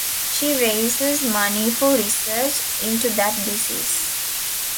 She raises money for research into that disease.